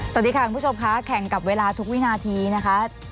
สวัสดีค่ะคุณผู้ชมค่ะแข่งกับเวลาทุกวินาทีนะคะ